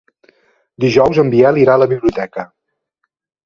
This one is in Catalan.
Dijous en Biel irà a la biblioteca.